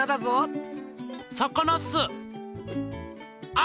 あ！